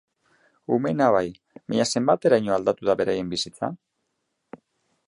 Umeena bai, baina zenbateraino aldatu da beraien bizitza?